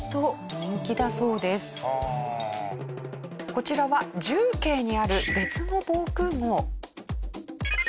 こちらは重慶にある別の防空壕。